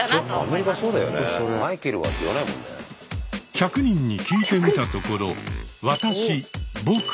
１００人に聞いてみたところ「わたし」「ぼく」